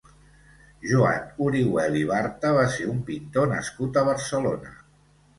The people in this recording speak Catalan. Joan Orihuel i Barta va ser un pintor nascut a Barcelona.